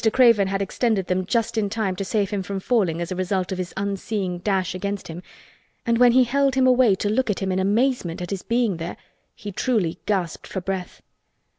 Craven had extended them just in time to save him from falling as a result of his unseeing dash against him, and when he held him away to look at him in amazement at his being there he truly gasped for breath.